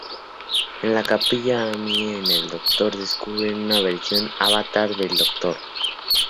En la capilla, Amy y el Doctor descubren una versión avatar del Doctor...